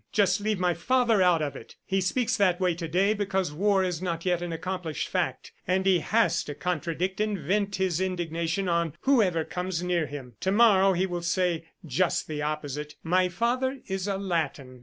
"Just leave my father out of it! He speaks that way to day because war is not yet an accomplished fact, and he has to contradict and vent his indignation on whoever comes near him. To morrow he will say just the opposite. ... My father is a Latin."